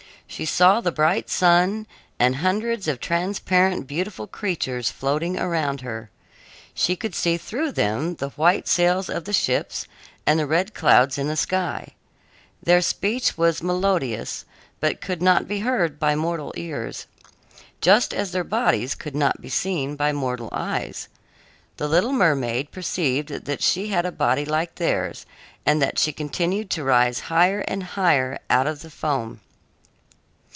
She saw the bright sun, and hundreds of transparent, beautiful creatures floating around her she could see through them the white sails of the ships and the red clouds in the sky. Their speech was melodious, but could not be heard by mortal ears just as their bodies could not be seen by mortal eyes. The little mermaid perceived that she had a body like theirs and that she continued to rise higher and higher out of the foam.